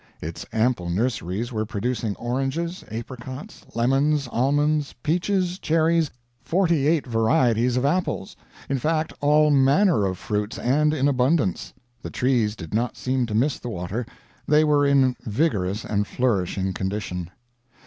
Its ample nurseries were producing oranges, apricots, lemons, almonds, peaches, cherries, 48 varieties of apples in fact, all manner of fruits, and in abundance. The trees did not seem to miss the water; they were in vigorous and flourishing condition.